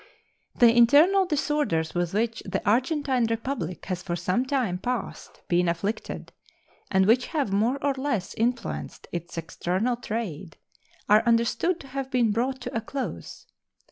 The internal disorders with which the Argentine Republic has for some time past been afflicted, and which have more or less influenced its external trade, are understood to have been brought to a close.